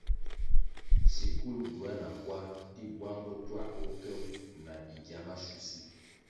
Shukul gyoa na kwar di bwang bo twā bo ke wu na bigya mashusi.